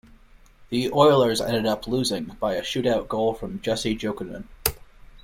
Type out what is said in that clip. The Oilers ended up losing by a shootout goal from Jussi Jokinen.